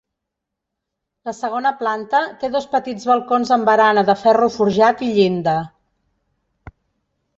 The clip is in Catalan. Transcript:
La segona planta té dos petits balcons amb barana de ferro forjat i llinda.